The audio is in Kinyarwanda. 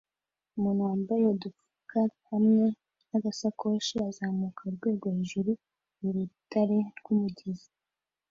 Umuntu wambaye udufuka hamwe nagasakoshi azamuka urwego hejuru yurutare rwumugezi